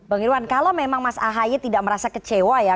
bang irwan kalau memang mas ahaye tidak merasa kecewa ya